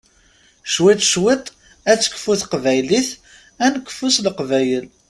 Cwiṭ cwiṭ, ad tekfu teqbaylit, ad nekfu s leqbayel.